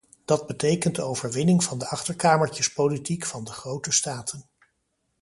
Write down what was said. Dat betekent de overwinning van de achterkamertjespolitiek van de grote staten.